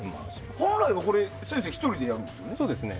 本来は先生１人でやるんですよね？